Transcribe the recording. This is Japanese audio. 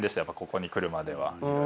ここに来るまでは。